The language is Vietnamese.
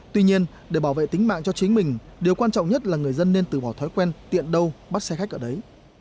tuy nhiên để bảo vệ tính mạng cho chính mình điều quan trọng nhất là người dân nên từ bỏ thói quen tiện đâu bắt xe khách ở đấy